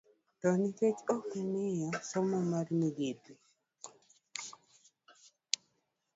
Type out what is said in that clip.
To nikech ok omi somo mar migepe e